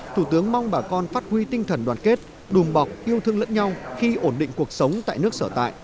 thủ tướng mong bà con phát huy tinh thần đoàn kết đùm bọc yêu thương lẫn nhau khi ổn định cuộc sống tại nước sở tại